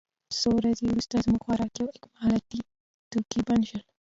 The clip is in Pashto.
څو ورځې وروسته زموږ خوراکي او اکمالاتي توکي بند شول